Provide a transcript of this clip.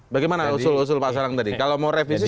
bagaimana usul usul pak sarang tadi kalau mau revisi